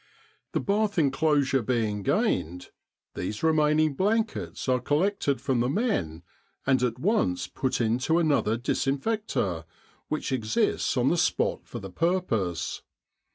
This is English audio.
The bath enclosure being gained, these remain ing blankets are collected from the men and at once put into another disinfect or, which exists on the spot for the purpose.